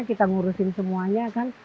kita ngurusin semuanya kan